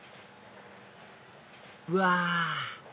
うわ！